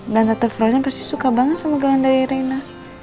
dan tante frozen pasti suka banget sama gelang dari reina